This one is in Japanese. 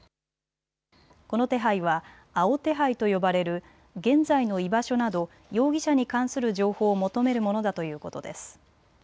この手配は、青手配と呼ばれる現在の居場所など容疑者に関する情報を求めるものだということです。